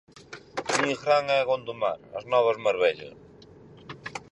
Nigrán e Gondomar, as novas Marbella.